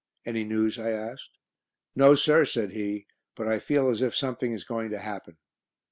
"Any news?" I asked. "No, sir," said he, "but I feel as if something is going to happen."